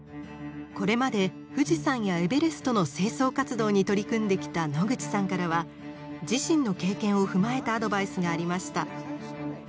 これまで富士山やエベレストの清掃活動に取り組んできた野口さんからは自身の経験を踏まえたアドバイスがありました。